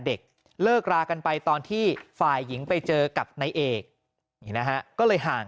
เด็กเลิกรากันไปตอนที่ฝ่ายหญิงไปเจอกับนายเอกก็เลยห่าง